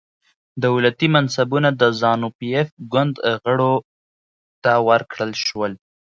دولتي منصبونه د زانو پي ایف ګوند غړو ته ورکړل شول.